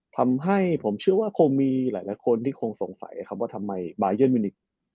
ทำให้ผมเชื่อว่าคงมีหลายคนที่คงสงสัยครับว่าทำไมบายันมินิก